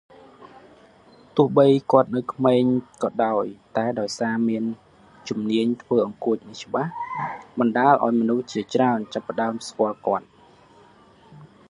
ទោះបីគាត់នៅក្មេងក៏ដោយ តែដោយសារមានជំនាញធ្វើអង្កួចនេះច្បាស់ បណ្តាលឱ្យមនុស្សជាច្រើនចាប់ផ្តើមស្គាល់គាត់។